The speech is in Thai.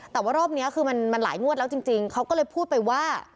แต่ว่ารอบนี้คือมันหลายงวดแล้วจริงเขาก็เลยพูดไปว่า